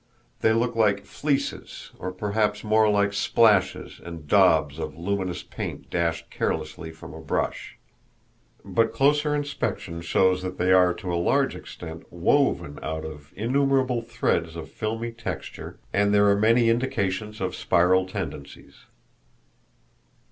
They look like fleeces, or perhaps more like splashes and daubs of luminous paint dashed carelessly from a brush. But closer inspection shows that they are, to a large extent, woven out of innumerable threads of filmy texture, and there are many indications of spiral tendencies.